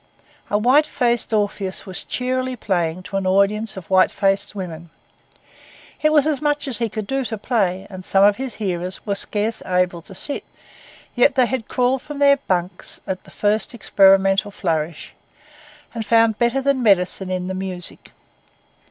A white faced Orpheus was cheerily playing to an audience of white faced women. It was as much as he could do to play, and some of his hearers were scarce able to sit; yet they had crawled from their bunks at the first experimental flourish, and found better than medicine in the music.